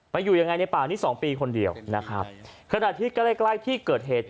ไปอยู่ยังไงในป่านี้๒ปีคนเดียวขณะที่ใกล้ที่เกิดเหตุ